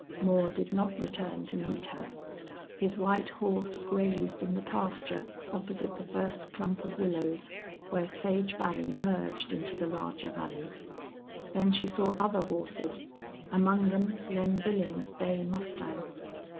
Moore did not return to meet her. His white horse grazed in the pasture opposite the first clump of willows, where Sage Valley merged into the larger valley. Then she saw other horses, among them Lem Billings's bay mustang.